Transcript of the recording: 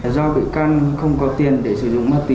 do vị can không có tiền để sử dụng mát tí